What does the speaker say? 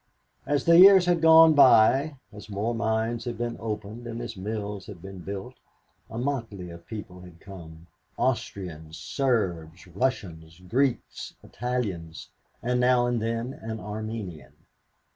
As the years had gone on, as more mines had been opened, and as mills had been built, a motley of people had come: Austrians, Serbs, Russians, Greeks, Italians, and now and then an Armenian.